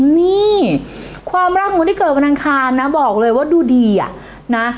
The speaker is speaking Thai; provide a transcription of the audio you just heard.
นี่ความรักของคนที่เกิดวันอังคารนะบอกเลยว่าดูดีอ่ะนะ